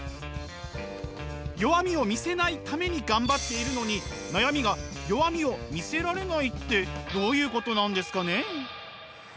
弱みを見せないために頑張っているのに悩みが「弱みを見せられない」ってどういうことなんですかねえ？